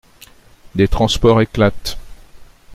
Des transports éclatent.